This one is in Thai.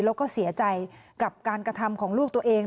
แล้วก็เสียใจกับการกระทำของลูกตัวเอง